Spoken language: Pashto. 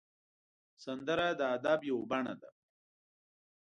سندره د ادب یو بڼه ده